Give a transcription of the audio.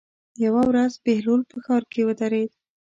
یوه ورځ بهلول په ښار کې ودرېد.